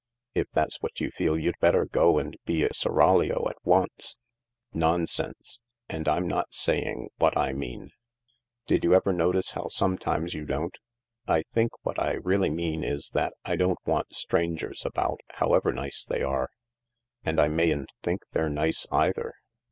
" If that's what you feel, you'd better go and be a seraglio at once." "Nonsense. And I'm not saying what I mean. Did you ever notice how sometimes you don't ? I think what I really mean is that I don't want strangers about — however nice they are ; and I mayn't think they're nice either.